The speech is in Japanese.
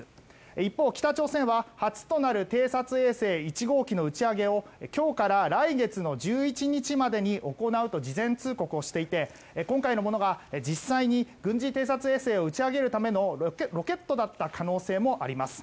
一方、北朝鮮は初となる偵察衛星１号機の打ち上げを今日から来月の１１日までに行うと事前通告をしていて今回のものが実際に軍事偵察衛星を打ち上げるためのロケットだった可能性もあります。